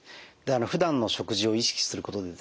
ふだんの食事を意識することでですね